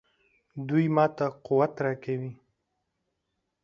دوی ماته قوت راکوي.